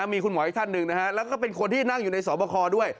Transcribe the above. มีคุณหมออีกท่านหนึ่งนะฮะแล้วก็เป็นคนที่นั่งอยู่ในสอบคอด้วย